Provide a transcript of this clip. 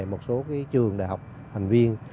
một số trường đại học thành viên